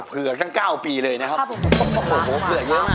ผมเผื่อว่ากัน๙ปีเลยนะครับ